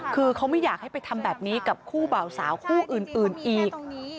คือเขาไม่อยากให้ไปทำแบบนี้กับคู่บ่าวสาวคู่อื่นอีก